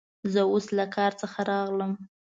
زه اوس له کار څخه راغلم.